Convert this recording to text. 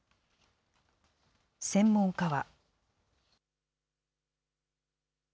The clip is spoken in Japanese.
専門家は。